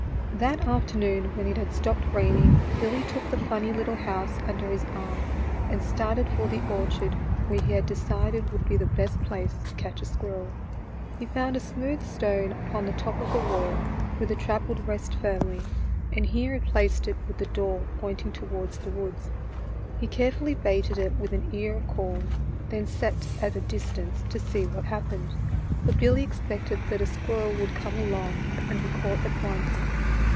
That afternoon when it had stopped raining, BILLY WILSON'S BOX TRAP. 61 Bill}' took the funny little house under his arm and started for the orchard where he had de cided would be the best place to catch a squirrel. He found a smooth stone upon the top of the wall where the trap would rest firmly, and here he placed it with the door pointing tow ards the woods. He carefully baited it with an ear of corn, then sat down at a distance to see what happened, for Billy expected that a squirrel would come along and be caught at once.